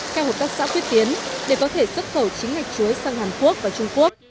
theo hợp tác xã quyết tiến để có thể xuất khẩu chính ngạch chuối sang hàn quốc và trung quốc